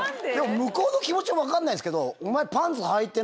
向こうの気持ちも分かんないですけど。